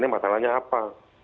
nah ini masalahnya apa